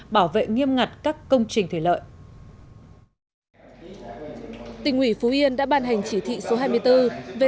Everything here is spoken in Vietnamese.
bảo vệ nghiêm ngặt các công trình thủy lợi tỉnh ủy phú yên đã ban hành chỉ thị số hai mươi bốn về